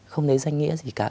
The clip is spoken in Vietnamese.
không lấy danh nghĩa gì cả